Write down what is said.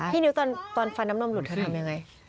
พี่นิ้วตอนตอนฟันน้ำนมหลุดเธอทำอย่างไร